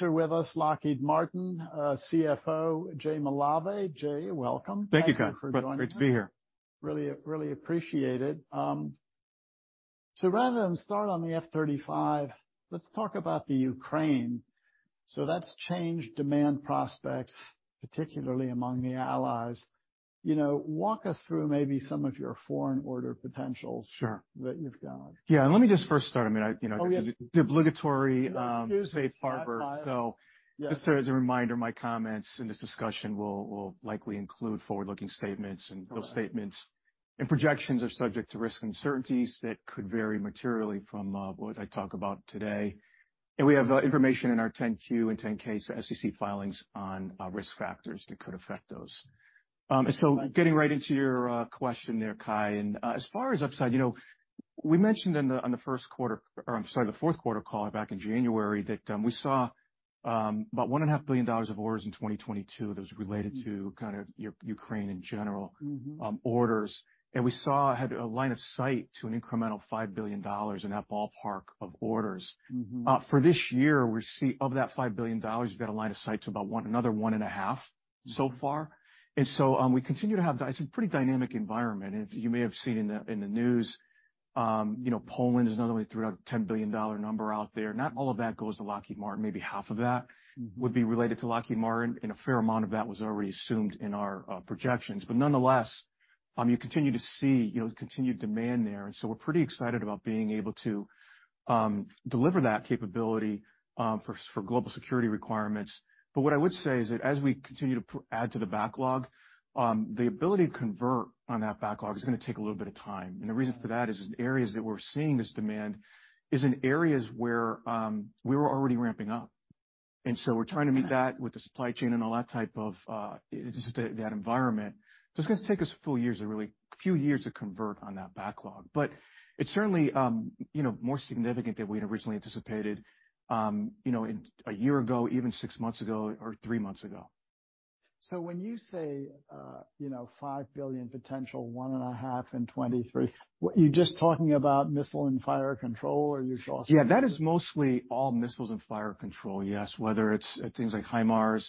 With us Lockheed Martin, CFO, Jesus Malave. Jay, welcome. Thank you, Cai. Thanks for joining us. Great to be here. Really appreciate it. Rather than start on the F-35, let's talk about the Ukraine. That's changed demand prospects, particularly among the allies. You know, walk us through maybe some of your foreign order potentials. Sure. That you've got. Yeah. Let me just first start, I mean. Oh, yes. The obligatory, safe harbor. Yes. Just as a reminder, my comments in this discussion will likely include forward-looking statements, and those statements and projections are subject to risks and uncertainties that could vary materially from what I talk about today. We have information in our 10-Q and 10-K SEC filings on risk factors that could affect those. Getting right into your question there, Kai, as far as upside, you know, we mentioned on the fourth quarter call back in January that we saw about $1.5 billion of orders in 2022 that was related to kind of Ukraine in general orders. We saw a line of sight to an incremental $5 billion in that ballpark of orders. Mm-hmm. For this year, we see of that $5 billion, we've got a line of sight to about another $1.5 billion so far. We continue to have a pretty dynamic environment. You may have seen in the news, you know, Poland has now only threw out $10 billion number out there. Not all of that goes to Lockheed Martin. Maybe half of that would be related to Lockheed Martin, and a fair amount of that was already assumed in our projections. Nonetheless, you continue to see, you know, continued demand there. We're pretty excited about being able to deliver that capability for global security requirements. What I would say is that as we continue to add to the backlog, the ability to convert on that backlog is gonna take a little bit of time. The reason for that is in areas that we're seeing this demand is in areas where we were already ramping up. We're trying to meet that with the supply chain and all that type of just that environment. It's gonna take us a few years to convert on that backlog. It's certainly, you know, more significant than we had originally anticipated, you know, in one year ago, even six months ago or three months ago. When you say, you know, $5 billion potential, one and a half in 2023, you're just talking about Missile and Fire Control or? Yeah, that is mostly all missiles and fire control, yes. Whether it's things like HIMARS,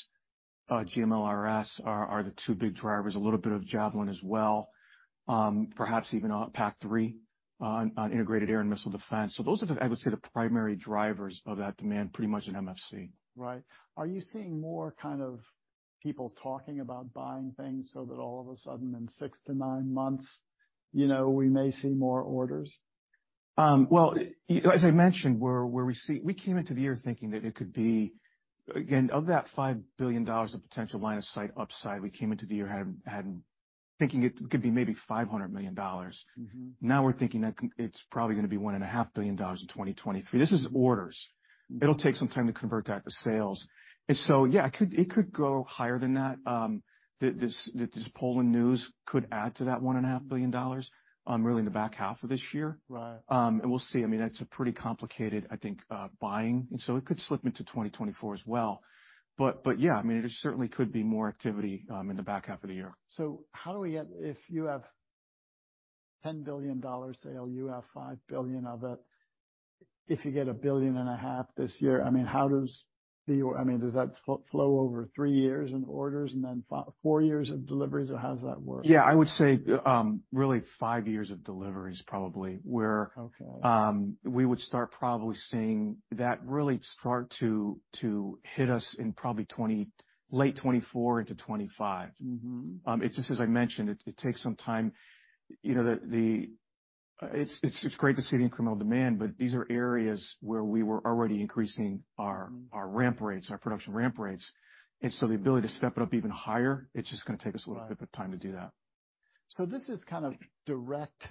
GMLRS are the two big drivers, a little bit of Javelin as well, perhaps even PAC-3 on integrated air and missile defense. Those are the, I would say, the primary drivers of that demand pretty much in MFC. Right. Are you seeing more kind of people talking about buying things so that all of a sudden in six to nine months, you know, we may see more orders? Well, as I mentioned, where we see we came into the year thinking that it could be, again, of that $5 billion of potential line of sight upside, we came into the year having thinking it could be maybe $500 million. Mm-hmm. Now we're thinking that it's probably gonna be one and a half billion dollars in 2023. This is orders. It'll take some time to convert that to sales. Yeah, it could go higher than that. This Poland news could add to that one and a half billion dollars really in the back half of this year. Right. We'll see. I mean, that's a pretty complicated, I think, buying. It could slip into 2024 as well. But yeah, I mean, there certainly could be more activity in the back half of the year. How do we get? If you have $10 billion sale, you have $5 billion of it. If you get $1.5 billion this year, I mean, does that flow over three years in orders and then four years of deliveries, or how does that work? Yeah, I would say, really five years of deliveries probably. Okay. We would start probably seeing that really start to hit us in late 2024 into 2025. Mm-hmm. It's just as I mentioned, it takes some time. You know, it's great to see the incremental demand, but these are areas where we were already increasing our ramp rates, our production ramp rates. The ability to step it up even higher, it's just gonna take us a little bit of time to do that. This is kind of direct,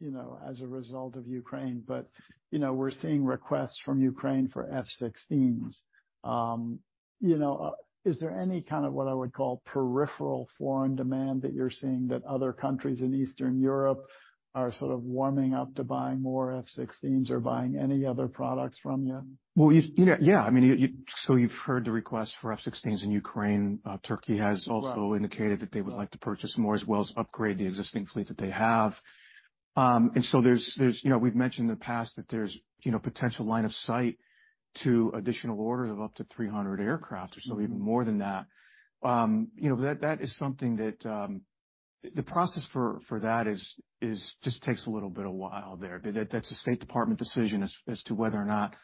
you know, as a result of Ukraine, but, you know, we're seeing requests from Ukraine for F-16s. You know, is there any kind of what I would call peripheral foreign demand that you're seeing that other countries in Eastern Europe are sort of warming up to buying more F-16s or buying any other products from you? Well, you know, yeah. I mean, you've heard the request for F-16s in Ukraine. Turkey has also indicated that they would like to purchase more as well as upgrade the existing fleet that they have. There's, you know, we've mentioned in the past that there's, you know, potential line of sight to additional orders of up to 300 aircraft or so, even more than that. You know, that is something that the process for that is just takes a little bit a while there. That's a State Department decision as to whether or not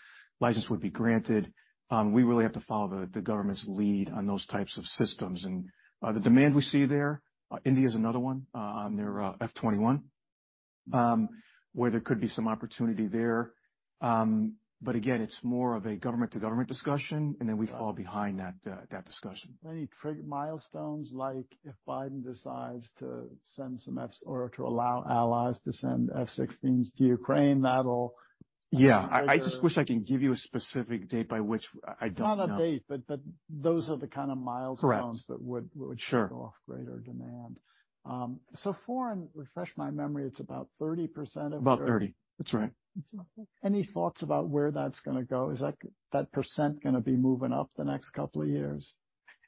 license would be granted. We really have to follow the government's lead on those types of systems. The demand we see there, India's another one, on their F-21, where there could be some opportunity there. It's more of a government-to-government discussion, and then we fall behind that discussion. Any milestones, like if Biden decides to send some or to allow allies to send F-16s to Ukraine, that'll. Yeah. I just wish I could give you a specific date by which I don't know. Not a date, but those are the kind of milestones. Correct. That would set off greater demand. foreign, refresh my memory, it's about 30%. About 30. That's right. Any thoughts about where that's gonna go? Is that % gonna be moving up the next couple of years?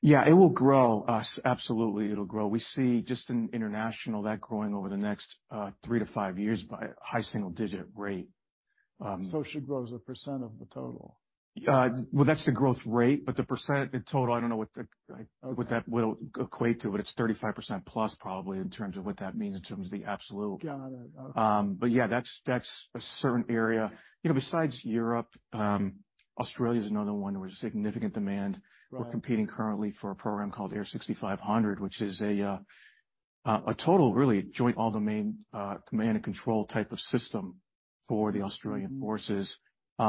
Yeah, it will grow. Absolutely, it'll grow. We see just in international that growing over the next 3-5 years by high single digit rate. It should grow as a percent of the total. Well, that's the growth rate, but the percent in total, I don't know what that will equate to, but it's +35% probably in terms of what that means in terms of the absolute. Got it. Yeah, that's a certain area. You know, besides Europe, Australia is another one where there's significant demand. Right. We're competing currently for a program called AIR 6500, which is a total really Joint All-Domain Command and Control type of system for the Australian forces.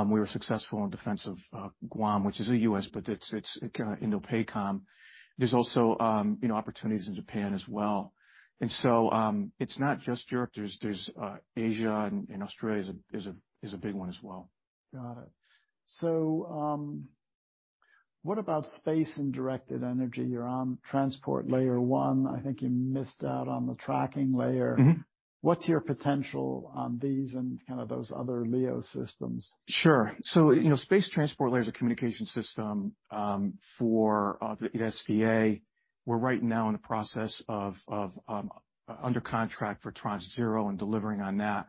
We were successful in defense of Guam, which is a U.S., but it's INDOPACOM. There's also, you know, opportunities in Japan as well. It's not just Europe. There's Asia, and Australia is a big one as well. Got it. What about space and directed energy? You're on transport layer 1. I think you missed out on the tracking layer. Mm-hmm. What's your potential on these and kind of those other LEO systems? Sure. you know, space transport layer is a communication system for the SDA. We're right now in the process under contract for tranche zero and delivering on that.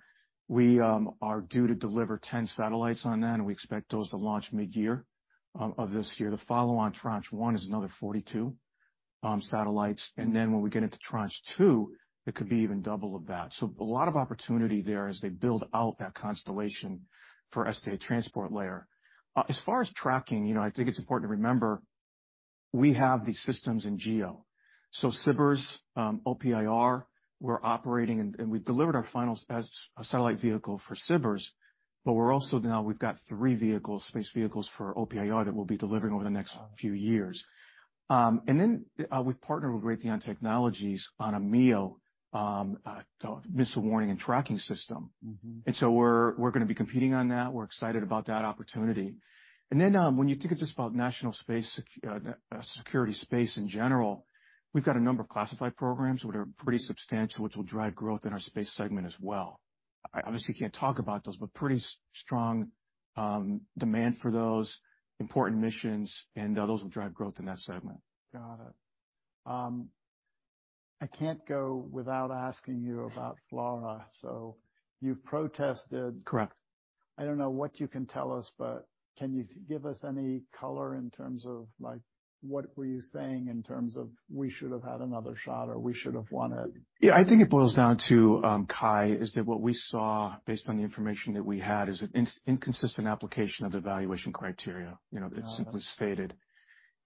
We are due to deliver 10 satellites on that, and we expect those to launch mid-year of this year. The follow on tranche one is another 42 satellites. When we get into tranche two, it could be even double of that. A lot of opportunity there as they build out that constellation for SDA transport layer. As far as tracking, you know, I think it's important to remember, we have these systems in GEO, SBIRS, OPIR, we're operating, and we've delivered our final satellite vehicle for SBIRS, but we're also now we've got 3 vehicles, space vehicles for OPIR that we'll be delivering over the next few years. We've partnered with Raytheon Technologies on a MEO missile warning and tracking system. Mm-hmm. We're gonna be competing on that. We're excited about that opportunity. When you think of just about national space, security space in general, we've got a number of classified programs, which are pretty substantial, which will drive growth in our space segment as well. I obviously can't talk about those, but pretty strong demand for those important missions, and those will drive growth in that segment. Got it. I can't go without asking you about FLRA. You've protested. Correct. I don't know what you can tell us, but can you give us any color in terms of, like, what were you saying in terms of we should have had another shot, or we should have won it? Yeah. I think it boils down to, Cai, is that what we saw based on the information that we had is an inconsistent application of the evaluation criteria. You know, it's simply stated.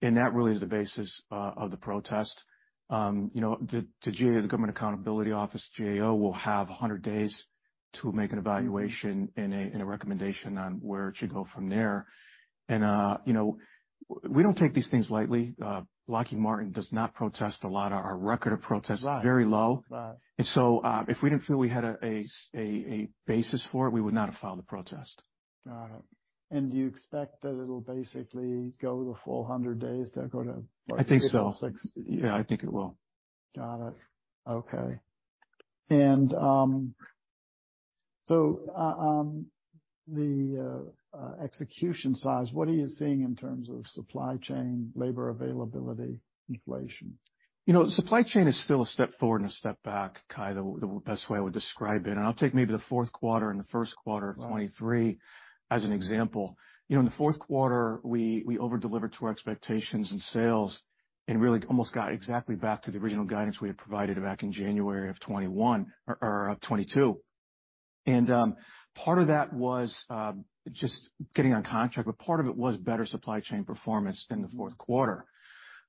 That really is the basis of the protest. You know, the GAO, the Government Accountability Office, GAO, will have 100 days to make an evaluation. Mm-hmm. A recommendation on where it should go from there. You know, we don't take these things lightly. Lockheed Martin does not protest a lot. Our record of protest is very low. Right. If we didn't feel we had a basis for it, we would not have filed a protest. Got it. Do you expect that it'll basically go the full 100 days that go to? I think so. Yeah, I think it will. Got it. Okay. The execution size, what are you seeing in terms of supply chain, labor availability, inflation? You know, supply chain is still a step forward and a step back, Cai, the best way I would describe it, and I'll take maybe the fourth quarter and the first quarter of 2023 as an example. You know, in the fourth quarter, we over-delivered to our expectations in sales and really almost got exactly back to the original guidance we had provided back in January of 2021 or of 2022. Part of that was just getting on contract, but part of it was better supply chain performance in the fourth quarter.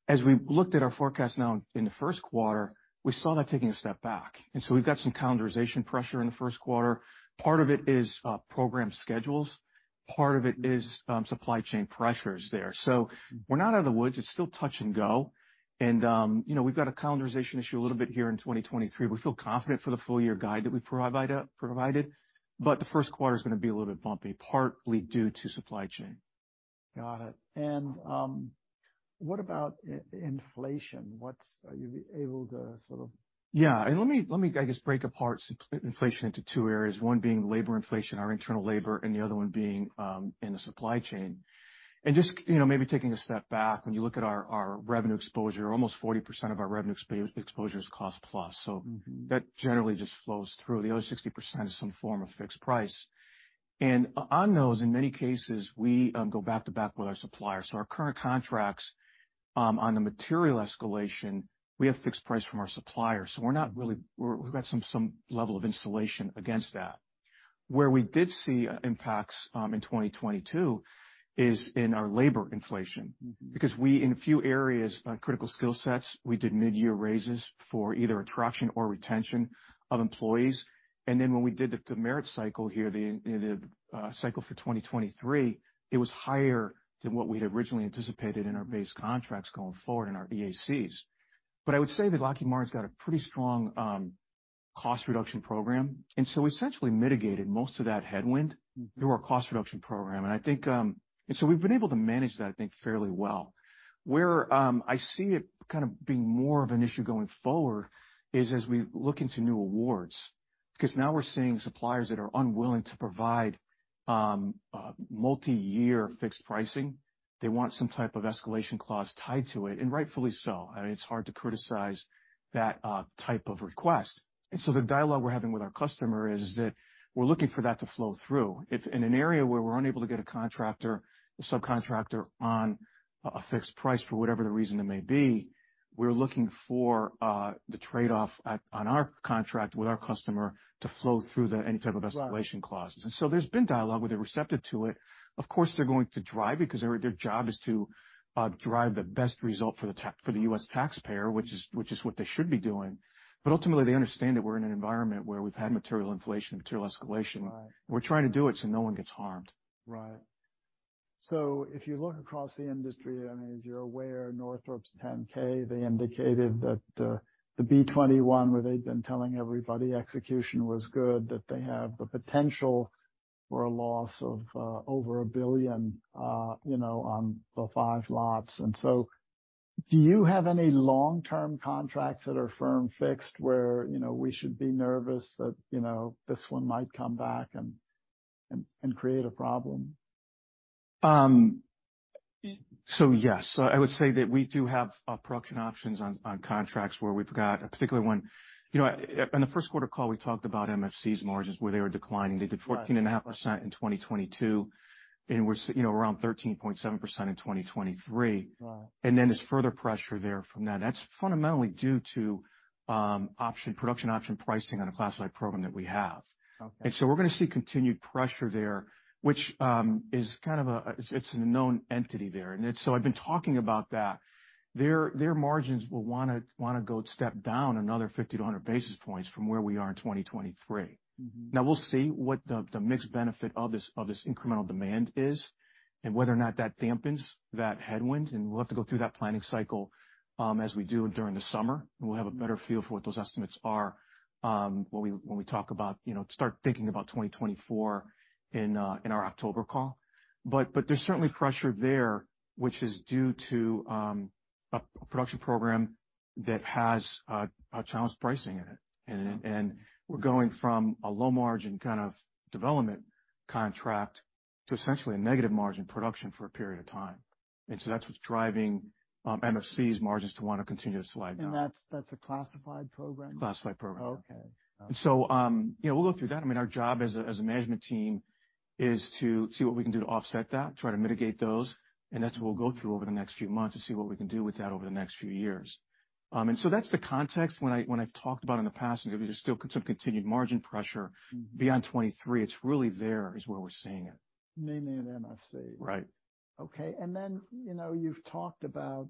As we looked at our forecast now in the first quarter, we saw that taking a step back. So we've got some calendarization pressure in the first quarter. Part of it is program schedules. Part of it is supply chain pressures there. We're not out of the woods. It's still touch and go. You know, we've got a calendarization issue a little bit here in 2023. We feel confident for the full year guide that we provide, provided, but the first quarter is gonna be a little bit bumpy, partly due to supply chain. Got it. What about inflation? Are you able to sort of? Yeah. Let me, I guess, break apart inflation into two areas, one being labor inflation, our internal labor, and the other one being in the supply chain. Just, you know, maybe taking a step back, when you look at our revenue exposure, almost 40% of our revenue exposure is cost plus. Mm-hmm. That generally just flows through. The other 60% is some form of fixed price. On those, in many cases, we go back to back with our suppliers. Our current contracts on the material escalation, we have fixed price from our suppliers, so we're not really. We've got some level of insulation against that. Where we did see impacts in 2022 is in our labor inflation. Mm-hmm. We, in a few areas on critical skill sets, we did mid-year raises for either attraction or retention of employees. When we did the merit cycle here, the cycle for 2023, it was higher than what we had originally anticipated in our base contracts going forward in our EACs. I would say that Lockheed Martin's got a pretty strong cost reduction program, essentially mitigated most of that headwind through our cost reduction program. I think, we've been able to manage that, I think, fairly well. Where, I see it kind of being more of an issue going forward is as we look into new awards. Now we're seeing suppliers that are unwilling to provide multi-year fixed pricing. They want some type of escalation clause tied to it, rightfully so. I mean, it's hard to criticize that type of request. The dialogue we're having with our customer is that we're looking for that to flow through. If in an area where we're unable to get a contractor or subcontractor on a fixed price for whatever the reason it may be, we're looking for the trade-off at, on our contract with our customer to flow through any type of escalation clauses. There's been dialogue where they're receptive to it. Of course, they're going to drive because their job is to drive the best result for the US taxpayer, which is, which is what they should be doing. Ultimately, they understand that we're in an environment where we've had material inflation and material escalation. Right. We're trying to do it so no one gets harmed. Right. If you look across the industry, I mean, as you're aware, Northrop's 10-K, they indicated that the B-21, where they've been telling everybody execution was good, that they have the potential for a loss of over $1 billion, you know, on the five lots. Do you have any long-term contracts that are firm fixed where, you know, we should be nervous that, you know, this one might come back and create a problem? Yes. I would say that we do have production options on contracts where we've got a particular one. You know, in the first quarter call, we talked about MFC's margins, where they were declining. They did 14.5% in 2022, and we're you know, around 13.7% in 2023. Right. There's further pressure there from that. That's fundamentally due to option, production option pricing on a classified program that we have. Okay. We're gonna see continued pressure there, which is kind of a known entity there. I've been talking about that. Their margins will wanna go step down another 50-100 basis points from where we are in 2023. Mm-hmm. We'll see what the mixed benefit of this incremental demand is and whether or not that dampens that headwind, we'll have to go through that planning cycle, as we do during the summer. We'll have a better feel for what those estimates are, when we talk about, you know, start thinking about 2024 in our October call. There's certainly pressure there, which is due to, a production program that has, a challenged pricing in it. Mm-hmm. We're going from a low margin kind of development contract to essentially a negative margin production for a period of time. That's what's driving MFC's margins to wanna continue to slide down. That's a classified program? Classified program. Okay. You know, we'll go through that. I mean, our job as a, as a management team is to see what we can do to offset that, try to mitigate those, and that's what we'll go through over the next few months to see what we can do with that over the next few years. That's the context when I, when I've talked about in the past, there's still some continued margin pressure beyond 23. It's really there is where we're seeing it. Mainly at MFC. Right. Okay. You know, you've talked about,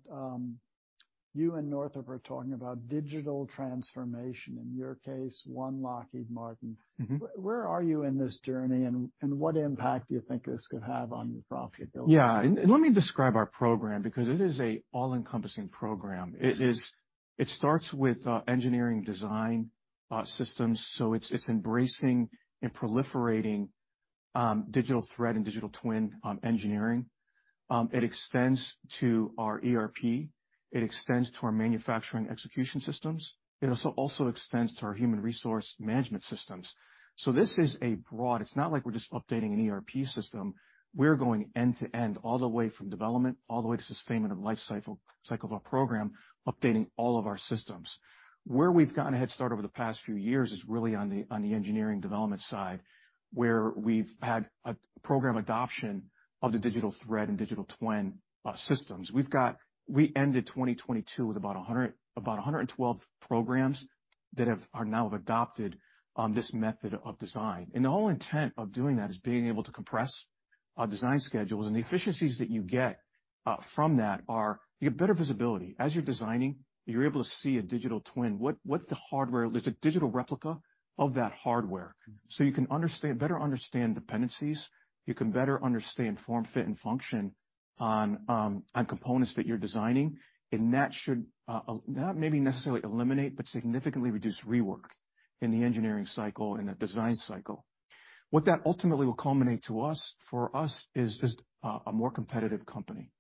you and Northrop are talking about digital transformation, in your case, one Lockheed Martin. Mm-hmm. Where are you in this journey, and what impact do you think this could have on your profitability? Yeah. Let me describe our program because it is a all-encompassing program. It starts with engineering design, systems, so it's embracing and proliferating digital thread and digital twin engineering. It extends to our ERP. It extends to our manufacturing execution systems. It also extends to our human resource management systems. This is a broad... It's not like we're just updating an ERP system. We're going end-to-end, all the way from development all the way to sustainment of lifecycle, cycle of our program, updating all of our systems. Where we've gotten a head start over the past few years is really on the engineering development side, where we've had a program adoption of the digital thread and digital twin systems. We ended 2022 with about 112 programs that are now have adopted this method of design. The whole intent of doing that is being able to compress our design schedules. The efficiencies that you get from that are you get better visibility. As you're designing, you're able to see a digital twin. There's a digital replica of that hardware, so you can understand, better understand dependencies, you can better understand form, fit, and function on components that you're designing. That should not maybe necessarily eliminate, but significantly reduce rework in the engineering cycle and the design cycle. What that ultimately will culminate to us, for us is a more competitive company.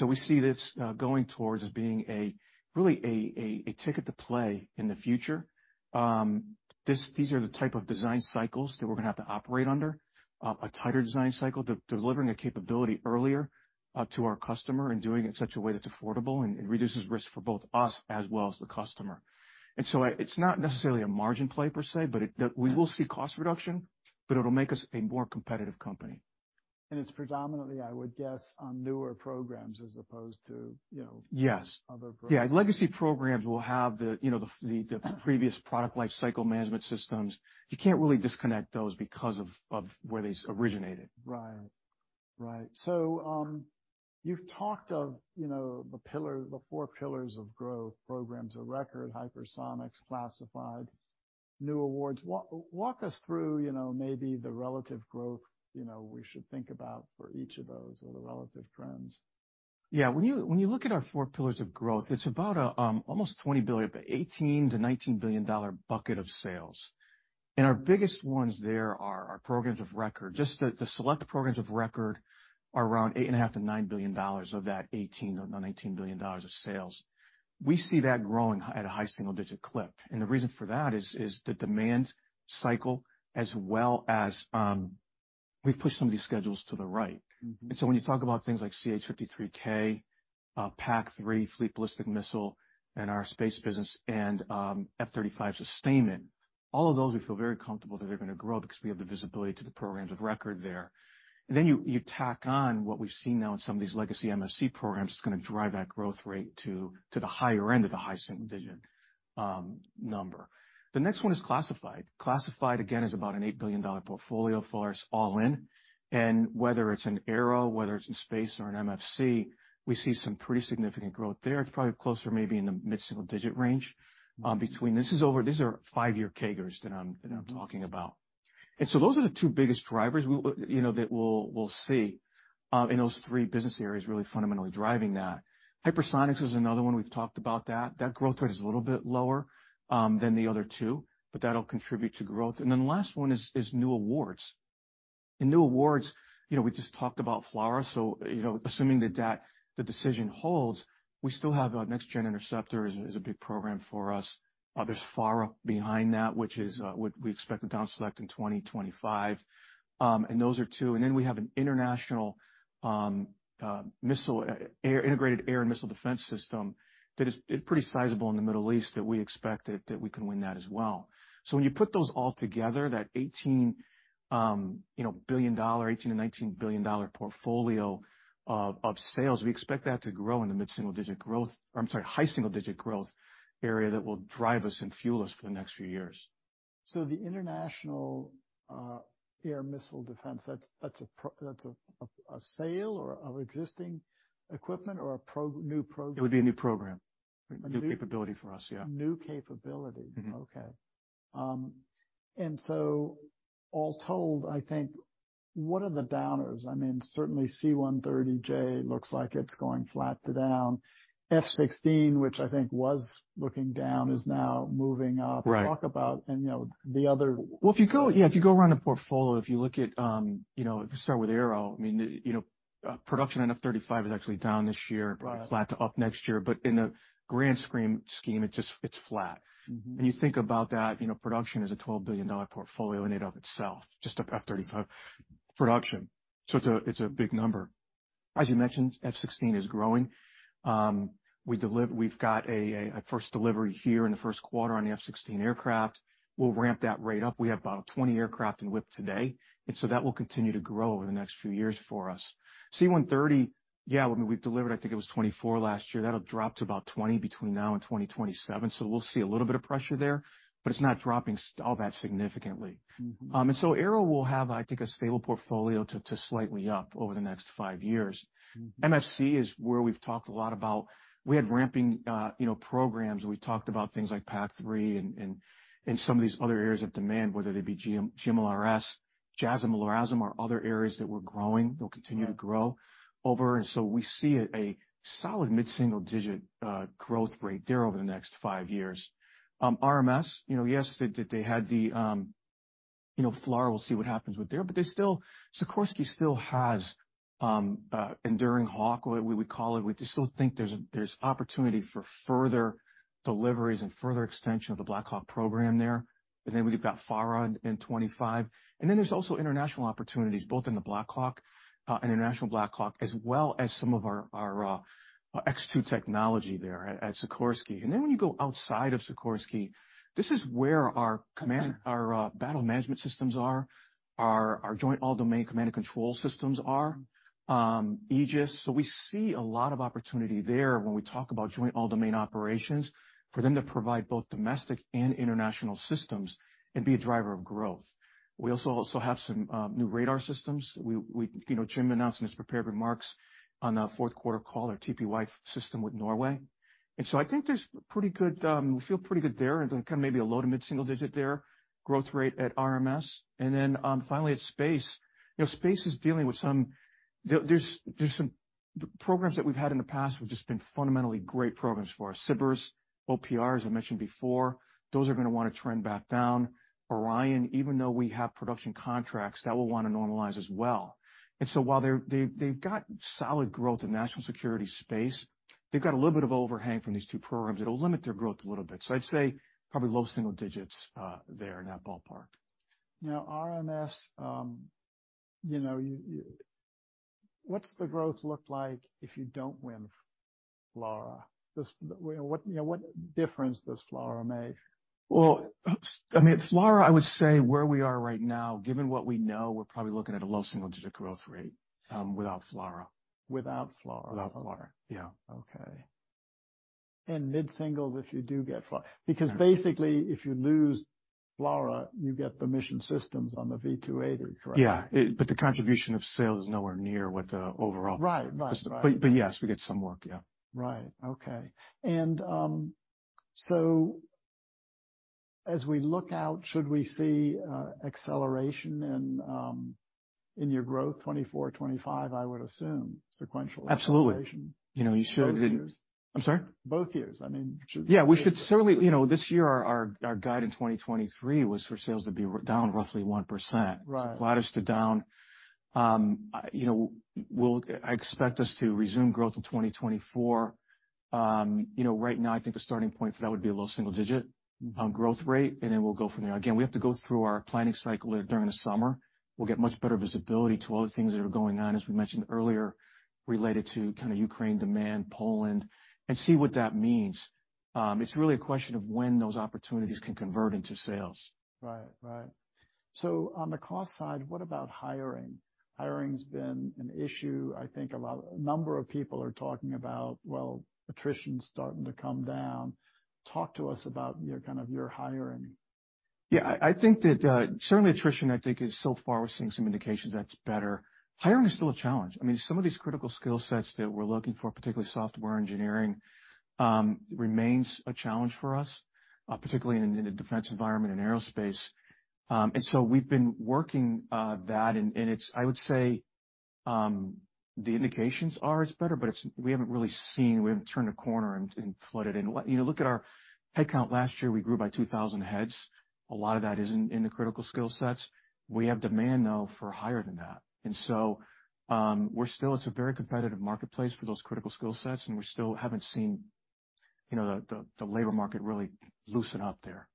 We see this going towards as being a really a ticket to play in the future. These are the type of design cycles that we're gonna have to operate under, a tighter design cycle, delivering a capability earlier to our customer and doing it in such a way that's affordable and reduces risk for both us as well as the customer. It's not necessarily a margin play per se, but We will see cost reduction, but it'll make us a more competitive company. It's predominantly, I would guess, on newer programs as opposed to, you know, other programs. Yes. Yeah. Legacy programs will have the, you know, the previous product lifecycle management systems. You can't really disconnect those because of where these originated. Right. Right. You've talked of, you know, the pillar, the four pillars of growth programs of record, hypersonics, classified, new awards. Walk us through, you know, maybe the relative growth, you know, we should think about for each of those or the relative trends? Yeah. When you look at our four pillars of growth, it's about almost $20 billion, but $18-$19 billion bucket of sales. Our biggest ones there are our programs of record. Just the select programs of record are around $8.5-$9 billion of that $18 billion or $19 billion of sales. We see that growing at a high single-digit clip. The reason for that is the demand cycle as well as We've pushed some of these schedules to the right. Mm-hmm. When you talk about things like CH-53K, PAC-3 Fleet Ballistic Missile and our space business and F-35 sustainment, all of those we feel very comfortable that they're gonna grow because we have the visibility to the programs of record there. You tack on what we've seen now in some of these legacy MFC programs is gonna drive that growth rate to the higher end of the high-single-digit number. The next one is classified. Classified, again, is about an $8 billion portfolio for us all in. Whether it's in ARRW, whether it's in space or in MFC, we see some pretty significant growth there. It's probably closer maybe in the mid-single-digit range. These are five-year CAGRs that I'm talking about. Those are the two biggest drivers we you know, that we'll see in those three business areas really fundamentally driving that. Hypersonics is another one, we've talked about that. That growth rate is a little bit lower than the other two, but that'll contribute to growth. The last one is new awards. In new awards, you know, we just talked about FLRAA, so, you know, assuming that the decision holds, we still have our Next Generation Interceptor is a big program for us. There's FLRAA behind that which is, we expect to down select in 2025. Those are two. Then we have an international integrated air and missile defense system that is pretty sizable in the Middle East that we expect that we can win that as well. When you put those all together, that $18 billion, $18-$19 billion portfolio of sales, we expect that to grow in the high single digit percent growth area that will drive us and fuel us for the next few years. The international, air missile defense, that's a sale or of existing equipment or a new program? It would be a new program. New capability for us, yeah. A new capability. Mm-hmm. Okay. All told, I think what are the downers? I mean, certainly C-130J looks like it's going flat to down. F-16, which I think was looking down, is now moving up. Right. Talk about and, you know. Well, Yeah, if you go around a portfolio, if you look at, you know, if you start with Aeronautics, I mean, you know, production in F-35 is actually down this year. Right. Flat to up next year, in a grand scheme, it just, it's flat. Mm-hmm. When you think about that, you know, production is a $12 billion portfolio in and of itself, just F-35 production, it's a big number. As you mentioned, F-16 is growing. We've got a first delivery here in the first quarter on the F-16 aircraft. We'll ramp that rate up. We have about 20 aircraft in whip today, that will continue to grow over the next few years for us. C-130, yeah, I mean, we've delivered, I think it was 24 last year. That'll drop to about 20 between now and 2027, we'll see a little bit of pressure there, but it's not dropping all that significantly. Mm-hmm. Aeronautics will have, I think, a stable portfolio to slightly up over the next five years. Mm-hmm. MFC is where we've talked a lot about. We had ramping, you know, programs. We talked about things like PAC-3 and some of these other areas of demand, whether they be GMLRS, JASSM or LRASM are other areas that we're growing. Yeah. To grow over, we see a solid mid-single digit growth rate there over the next five years. RMS, you know, yes, they had the, you know, FLRAA, we'll see what happens with there, but Sikorsky still has Enduring Hawk, we would call it. We still think there's opportunity for further deliveries and further extension of the Black Hawk program there. We've got FLRAA in 25. There's also international opportunities both in the Black Hawk, international Black Hawk, as well as some of our X2 technology there at Sikorsky. When you go outside of Sikorsky, this is where our command, our battle management systems are, our Joint All-Domain Command and Control systems are, Aegis. We see a lot of opportunity there when we talk about joint all domain operations, for them to provide both domestic and international systems and be a driver of growth. We have some new radar systems. You know, Jim announced in his prepared remarks on the fourth quarter call, our TPY system with Norway. I think there's pretty good, we feel pretty good there into kinda maybe a low to mid-single digit there, growth rate at RMS. Finally at space. You know, space is dealing with some programs that we've had in the past that have just been fundamentally great programs for us. SBIRS, OPIR, as I mentioned before, those are gonna wanna trend back down. Orion, even though we have production contracts, that will wanna normalize as well. While they've got solid growth in national security space, they've got a little bit of overhang from these 2 programs that'll limit their growth a little bit. I'd say probably low single digits there in that ballpark. RMS, you know, you. What's the growth look like if you don't win FLRAA? What, you know, what difference does FLRAA make? Well, I mean, FLRAA, I would say where we are right now, given what we know, we're probably looking at a low single digit growth rate, without FLRAA. Without FLRAA? Without FLRAA, yeah. Okay. Mid-single if you do get FLRAA. Yeah. Basically, if you lose FLRAA, you get the mission systems on the V-280, correct? Yeah. It, but the contribution of sales is nowhere near what the overall- Right. Right. Yes, we get some work, yeah. Right. Okay. As we look out, should we see acceleration in your growth, 24, 25, I would assume, sequential acceleration? Absolutely. You know. Both years? I'm sorry? Both years, I mean. We should certainly, you know, this year our guide in 2023 was for sales to be down roughly 1%. Right. Flattish to down. you know, I expect us to resume growth in 2024. you know, right now I think the starting point for that would be a low single-digit on growth rate, and then we'll go from there. Again, we have to go through our planning cycle during the summer. We'll get much better visibility to all the things that are going on, as we mentioned earlier, related to kind of Ukraine demand, Poland, and see what that means. It's really a question of when those opportunities can convert into sales. Right. Right. On the cost side, what about hiring? Hiring's been an issue, I think, about a number of people are talking about, well, attrition starting to come down. Talk to us about your kind of your hiring. Yeah, I think that, certainly attrition, I think, is so far, we're seeing some indications that's better. Hiring is still a challenge. I mean, some of these critical skill sets that we're looking for, particularly software engineering, remains a challenge for us, particularly in a defense environment in aerospace. We've been working that, and it's I would say, the indications are it's better, but it's, we haven't really seen, we haven't turned a corner and flooded in. You know, look at our headcount last year, we grew by 2,000 heads. A lot of that isn't in the critical skill sets. We have demand, though, for higher than that. We're still, it's a very competitive marketplace for those critical skill sets, and we still haven't seen, you know, the labor market really loosen up there.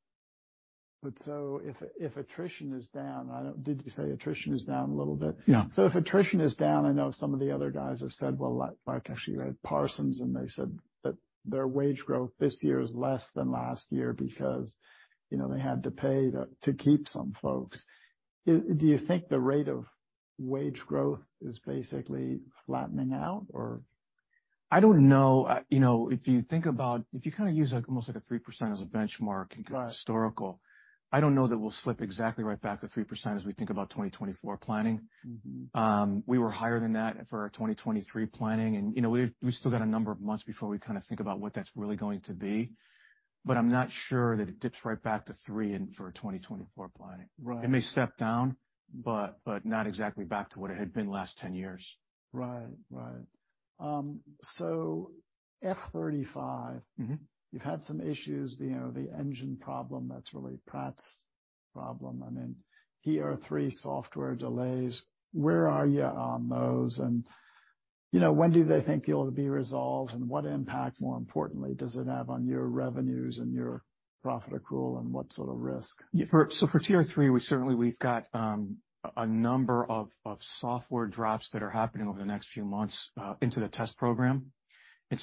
If attrition is down, did you say attrition is down a little bit? Yeah. If attrition is down, I know some of the other guys have said, well, like actually you had Parsons, and they said that their wage growth this year is less than last year because, you know, they had to pay to keep some folks. Do you think the rate of wage growth is basically flattening out or? I don't know. You know, if you kinda use like almost like a 3% as a benchmark. Right. Historical, I don't know that we'll slip exactly right back to 3% as we think about 2024 planning. Mm-hmm. We were higher than that for our 2023 planning, you know, we've still got a number of months before we kinda think about what that's really going to be, but I'm not sure that it dips right back to 2023 and for 2024 planning. Right. It may step down, but not exactly back to what it had been last 10 years. Right. Right. F-35. Mm-hmm. You've had some issues, you know, the engine problem, that's really Pratt's problem. I mean, TR-3 software delays. Where are you on those? You know, when do they think they'll be resolved, and what impact, more importantly, does it have on your revenues and your profit accrual, and what sort of risk? For TR-3, we certainly, we've got a number of software drops that are happening over the next few months into the test program.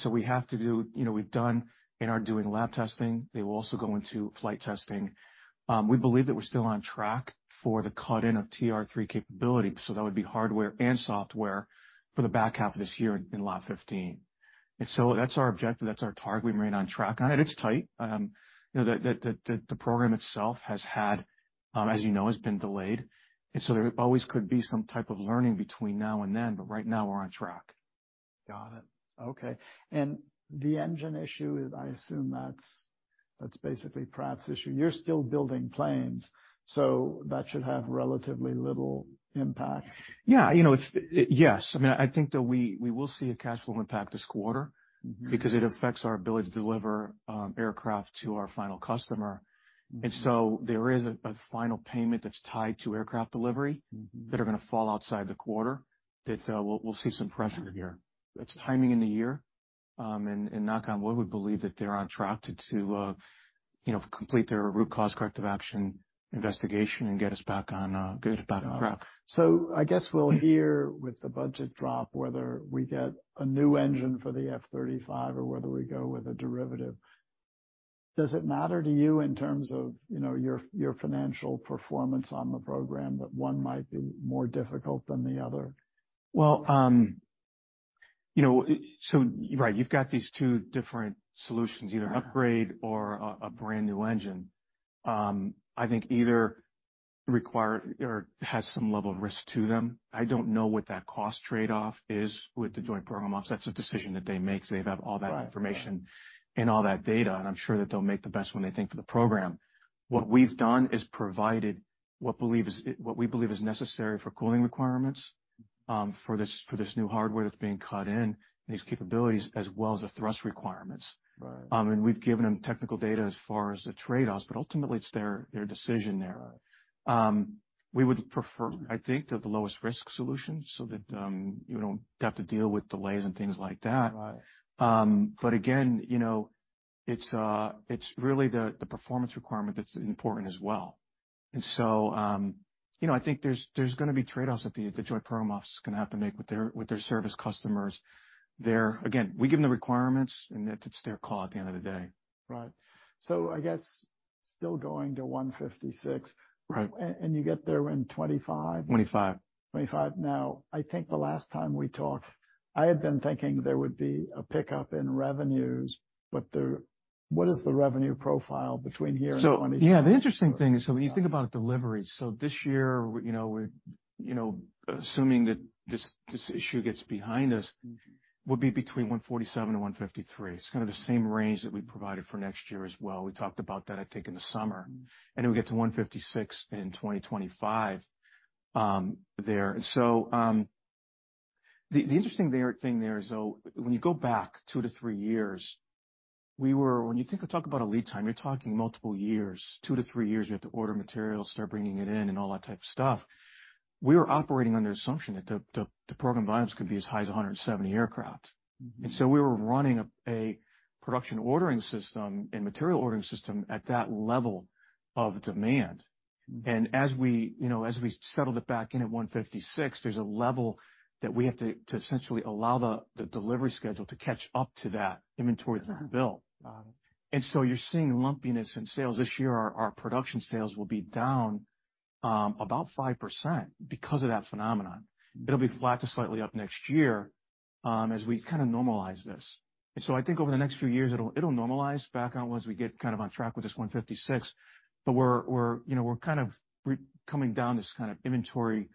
We have to do, you know, we've done and are doing lab testing. They will also go into flight testing. We believe that we're still on track for the cut-in of TR-3 capability, so that would be hardware and software for the back half of this year in Lot 15. That's our objective, that's our target. We remain on track. It's tight. You know, the program itself has had, as you know, has been delayed, there always could be some type of learning between now and then, but right now we're on track. Got it. Okay. The engine issue, I assume that's basically Pratt's issue. You're still building planes, so that should have relatively little impact. Yeah. You know, Yes. I mean, I think that we will see a cash flow impact this quarter. Mm-hmm. It affects our ability to deliver, aircraft to our final customer. Mm-hmm. There is a final payment that's tied to aircraft delivery that are gonna fall outside the quarter. That, we'll see some pressure here. It's timing in the year, and knock on wood, we believe that they're on track to, you know, complete their root cause corrective action investigation and get us back on track. I guess we'll hear with the budget drop whether we get a new engine for the F-35 or whether we go with a derivative. Does it matter to you in terms of, you know, your financial performance on the program that one might be more difficult than the other? You know, right, you've got these two different solutions. Yeah. Either upgrade or a brand new engine. I think either require or has some level of risk to them. I don't know what that cost trade-off is with the Joint Program Office. That's a decision that they make. They have all that information. Right. Right. All that data, and I'm sure that they'll make the best one they think for the program. What we've done is provided what we believe is necessary for cooling requirements, for this new hardware that's being cut in, these capabilities, as well as the thrust requirements. Right. We've given them technical data as far as the trade-offs, but ultimately it's their decision there. Right. We would prefer, I think, the lowest risk solution so that, you don't have to deal with delays and things like that. Right. Again, you know, it's really the performance requirement that's important as well. You know, I think there's gonna be trade-offs that the Joint Program Office is gonna have to make with their service customers. Again, we give them the requirements and it's their call at the end of the day. Right. I guess still going to 156. Right. You get there in 2025? Twenty-five. 2025. I think the last time we talked, I had been thinking there would be a pickup in revenues, but what is the revenue profile between here and 2025? The interesting thing is when you think about deliveries, this year, you know, we're, you know, assuming that this issue gets behind us, would be between 147-153. It's kind of the same range that we provided for next year as well. We talked about that, I think, in the summer. We get to 156 in 2025 there. The interesting thing there is, though, when you go back 2-3 years. We were, when you think or talk about a lead time, you're talking multiple years, 2-3 years. You have to order materials, start bringing it in and all that type of stuff. We were operating under the assumption that the program volumes could be as high as 170 aircraft. Mm-hmm. We were running a production ordering system and material ordering system at that level of demand. Mm-hmm. As we, you know, as we settled it back in at 156, there's a level that we have to essentially allow the delivery schedule to catch up to that inventory that we built. Got it. You're seeing lumpiness in sales. This year, our production sales will be down about 5% because of that phenomenon. It'll be flat to slightly up next year, as we kinda normalize this. I think over the next few years, it'll normalize back on once we get kind of on track with this 156, but we're, you know, we're kind of coming down this kind of inventory,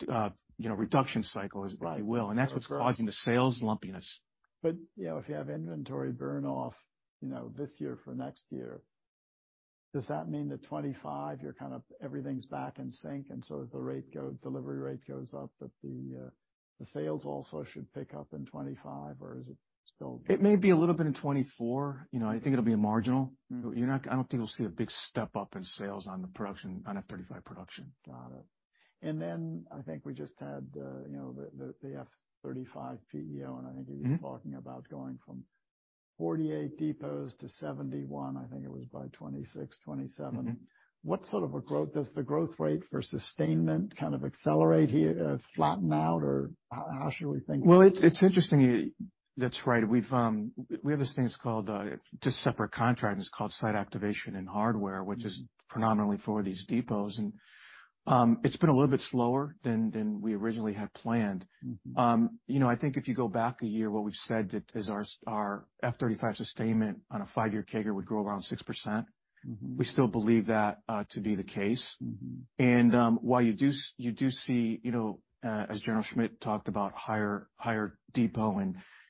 you know, reduction cycle, as you will. Right. That's what's causing the sales lumpiness. You know, if you have inventory burn off, you know, this year for next year, does that mean that 2025, you're kind of everything's back in sync, as the delivery rate goes up, that the sales also should pick up in 2025? Is it still? It may be a little bit in 2024, you know, I think it'll be marginal. Mm-hmm. I don't think we'll see a big step up in sales on the production, on F-35 production. Got it. Then I think we just had, you know, the, the F-35 PEO. Mm-hmm. He was talking about going from 48 depots to 71, I think it was by 2026, 2027. Mm-hmm. What sort of a growth, does the growth rate for sustainment kind of accelerate here, flatten out, or how should we think of it? Well, it's interesting. That's right. We have this thing that's called just separate contract. It's called site activation and hardware, which is predominantly for these depots. It's been a little bit slower than we originally had planned. Mm-hmm. You know, I think if you go back a year, what we've said that is our F-35 sustainment on a five-year CAGR would grow around 6%. Mm-hmm. We still believe that to be the case. Mm-hmm. While you do see, you know, as General Schmidt talked about higher depot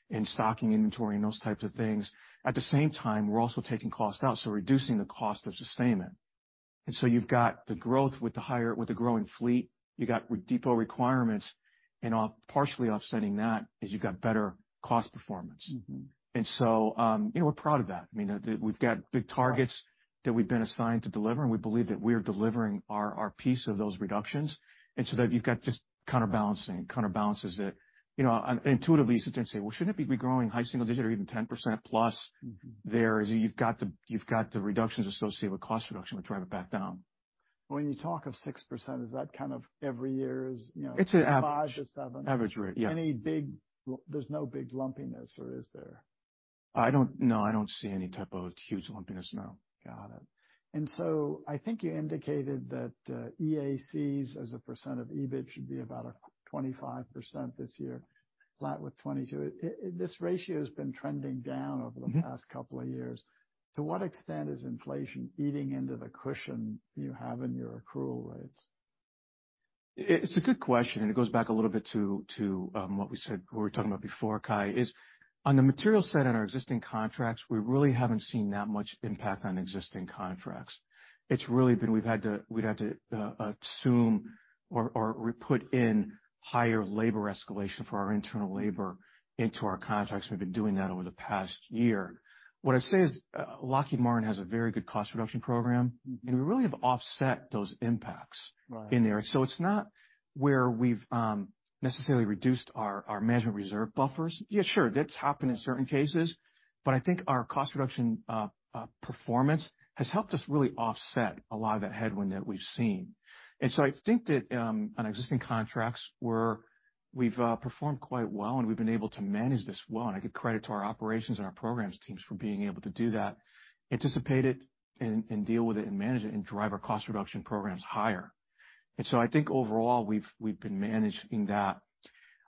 and stocking inventory and those types of things, at the same time, we're also taking costs out, so reducing the cost of sustainment. You've got the growth with the higher, with the growing fleet, you got depot requirements, and partially offsetting that is you've got better cost performance. Mm-hmm. You know, we're proud of that. I mean, we've got big targets that we've been assigned to deliver, and we believe that we are delivering our piece of those reductions. That you've got this counterbalancing. It counterbalances it. You know, intuitively, you sit there and say, "Well, shouldn't it be growing high single digit or even 10% plus? Mm-hmm. There is you've got the reductions associated with cost reduction, which drive it back down. When you talk of 6%, is that kind of every year is, you know? It's an average. 5-7? Average rate, yeah. There's no big lumpiness, or is there? No, I don't see any type of huge lumpiness, no. Got it. I think you indicated that EACs as a percent of EBIT should be about 25% this year, flat with 2022. This ratio has been trending down past couple of years. To what extent is inflation eating into the cushion you have in your accrual rates? It's a good question, and it goes back a little bit to what we were talking about before, Kai, is on the material side in our existing contracts, we really haven't seen that much impact on existing contracts. It's really been we'd had to assume or put in higher labor escalation for our internal labor into our contracts, and we've been doing that over the past year. What I'd say is, Lockheed Martin has a very good cost reduction program. Mm-hmm. We really have offset those impacts. Right. In there. it's not where we've necessarily reduced our management reserve buffers. Yeah, sure, that's happened in certain cases, but I think our cost reduction performance has helped us really offset a lot of that headwind that we've seen. I think that on existing contracts, we've performed quite well and we've been able to manage this well, and I give credit to our operations and our programs teams for being able to do that, anticipate it and deal with it and manage it and drive our cost reduction programs higher. I think overall, we've been managing that.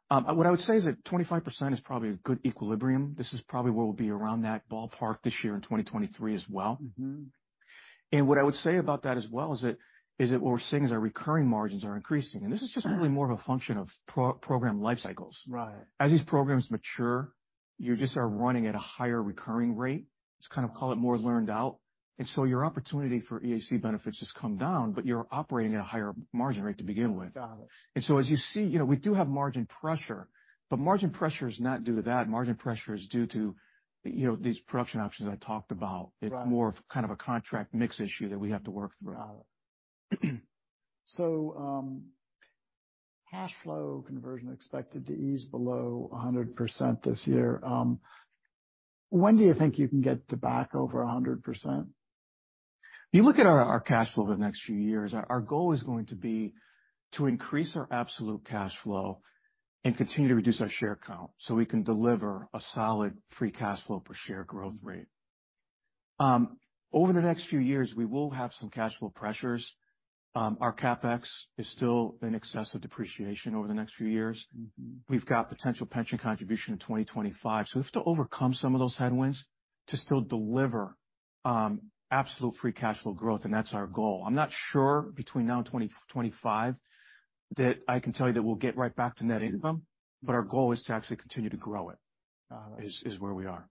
What I would say is that 25% is probably a good equilibrium. This is probably where we'll be around that ballpark this year in 2023 as well. Mm-hmm. What I would say about that as well is that what we're seeing is our recurring margins are increasing. Yeah. This is just really more of a function of program life cycles. Right. As these programs mature, you just are running at a higher recurring rate. Just kind of call it more learned out. Your opportunity for EAC benefits has come down, but you're operating at a higher margin rate to begin with. Got it. As you see, you know, we do have margin pressure, but margin pressure is not due to that. Margin pressure is due to, you know, these production options I talked about. Right. It's more of kind of a contract mix issue that we have to work through. Got it. Cash flow conversion expected to ease below 100% this year. When do you think you can get to back over 100%? You look at our cash flow the next few years, our goal is going to be to increase our absolute cash flow and continue to reduce our share count, so we can deliver a solid free cash flow per share growth rate. Over the next few years, we will have some cash flow pressures. Our CapEx is still in excess of depreciation over the next few years. Mm-hmm. We've got potential pension contribution in 2025, so we have to overcome some of those headwinds to still deliver, absolute free cash flow growth, and that's our goal. I'm not sure between now and 2025 that I can tell you that we'll get right back to net income, but our goal is to actually continue to grow it. Got it. Is where we are.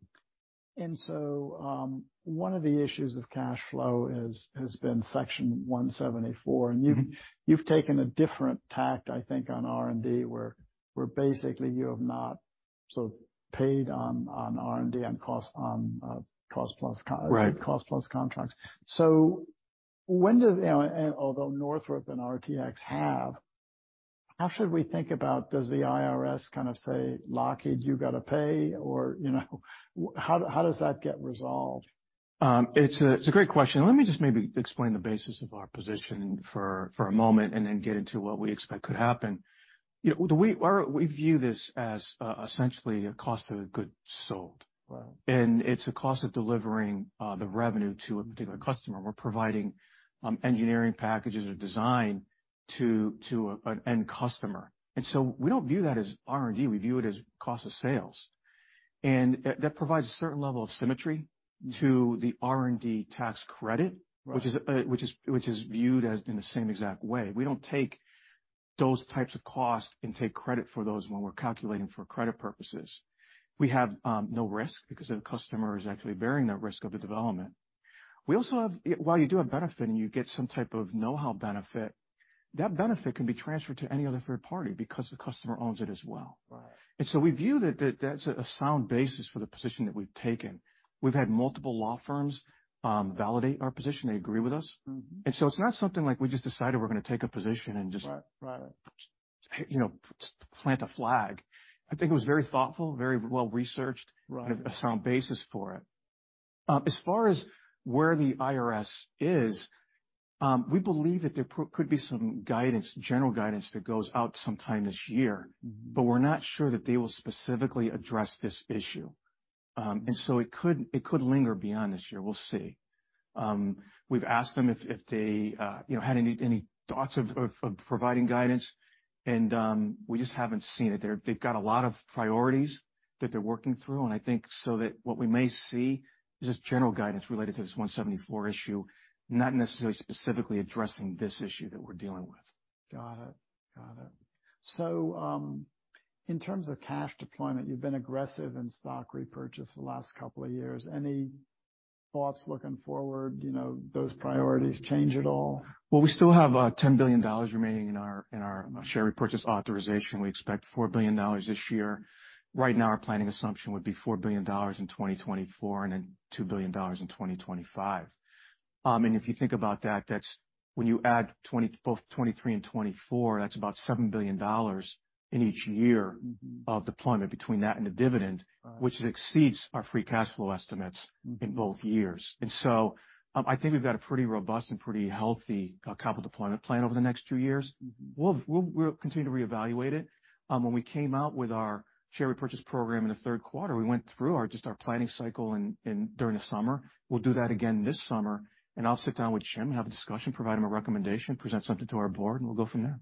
One of the issues of cash flow has been Section 174. Mm-hmm. You've taken a different tack, I think, on R&D, where basically you have not so paid on R&D on cost plus. Right. Cost plus contracts. You know, although Northrop and RTX have, how should we think about does the IRS kind of say, "Lockheed, you gotta pay," or, you know, how does that get resolved? It's a great question. Let me just maybe explain the basis of our position for a moment and then get into what we expect could happen. You know, we view this as essentially a cost of goods sold. Right. It's a cost of delivering the revenue to a particular customer. We're providing engineering packages or design to an end customer. We don't view that as R&D, we view it as cost of sales. That provides a certain level of symmetry to the R&D tax credit. Right. Which is, which is viewed as in the same exact way. We don't take those types of costs and take credit for those when we're calculating for credit purposes. We have no risk because the customer is actually bearing that risk of the development. We also have While you do have benefit, and you get some type of know-how benefit, that benefit can be transferred to any other third party because the customer owns it as well. Right. We view that that's a sound basis for the position that we've taken. We've had multiple law firms validate our position. They agree with us. Mm-hmm. It's not something like we just decided we're going to take a position and. Right. Right. You know, plant a flag. I think it was very thoughtful, very well-researched. Right. We have a sound basis for it. As far as where the IRS is, we believe that there could be some guidance, general guidance that goes out sometime this year. We're not sure that they will specifically address this issue. It could linger beyond this year. We'll see. We've asked them if they, you know, had any thoughts of providing guidance. We just haven't seen it. They've got a lot of priorities that they're working through, and I think so that what we may see is just general guidance related to this Section 174 issue, not necessarily specifically addressing this issue that we're dealing with. Got it. Got it. In terms of cash deployment, you've been aggressive in stock repurchase the last couple of years. Any thoughts looking forward, you know, those priorities change at all? Well, we still have $10 billion remaining in our share repurchase authorization. We expect $4 billion this year. Right now, our planning assumption would be $4 billion in 2024 and then $2 billion in 2025. If you think about that's when you add both 2023 and 2024, that's about $7 billion in each year of deployment between that and the dividend, which exceeds our free cash flow estimates in both years. I think we've got a pretty robust and pretty healthy capital deployment plan over the next two years. We'll continue to reevaluate it. When we came out with our share repurchase program in the third quarter, we went through our just our planning cycle during the summer. We'll do that again this summer, and I'll sit down with Jim and have a discussion, provide him a recommendation, present something to our board, and we'll go from there.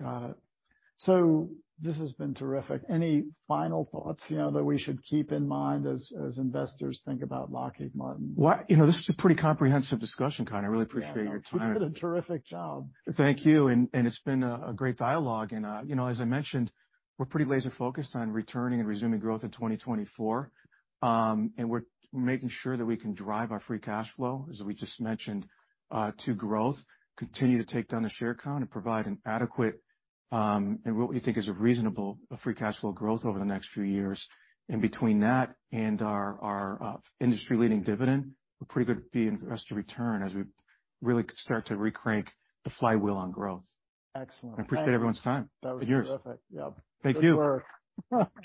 Got it. This has been terrific. Any final thoughts, you know, that we should keep in mind as investors think about Lockheed Martin? Well, you know, this was a pretty comprehensive discussion, Cai. I really appreciate your time. You did a terrific job. Thank you. It's been a great dialogue and, you know, as I mentioned, we're pretty laser focused on returning and resuming growth in 2024. We're making sure that we can drive our free cash flow, as we just mentioned, to growth, continue to take down the share count and provide an adequate, and what we think is a reasonable free cash flow growth over the next few years. Between that and our industry-leading dividend, a pretty good fee and rest of return as we really start to recrank the flywheel on growth. Excellent. I appreciate everyone's time. That was terrific. Yours. Yeah. Thank you. Good work.